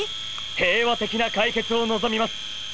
平和的な解決を望みます